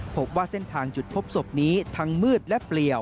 พบว่าเส้นทางจุดพบศพนี้ทั้งมืดและเปลี่ยว